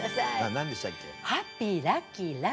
何でしたっけ。